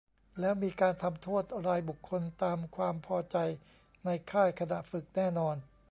แล้วมีการทำโทษรายบุคคลตามความพอใจในค่ายขณะฝึกแน่นอน